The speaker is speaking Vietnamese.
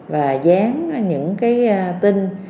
và dán những cái tin